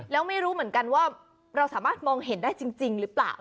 แล้วไม่รู้เหมือนกันว่าเราสามารถมองเห็นได้จริงหรือเปล่า